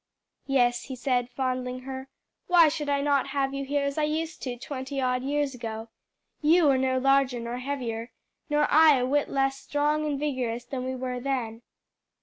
"Yes," he said, fondling her; "why should I not have you here as I used to twenty odd years ago? You are no larger or heavier nor I a whit less strong and vigorous than we were then."